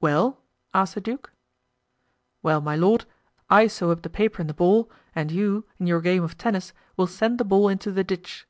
"Well?" asked the duke. "Well, my lord, I sew up the paper in the ball and you, in your game of tennis, will send the ball into the ditch."